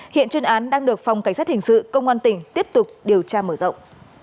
hiện chuyên án đang được phòng cảnh sát hình sự công an tỉnh tiếp tục điều tra mở rộng